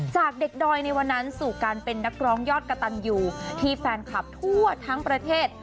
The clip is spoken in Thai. จากเด็กดอยในวันนั้นสู่การเป็นนักร้องยอดกระตันอยู่ที่แฟนคลับทั่วทั้งประเทศ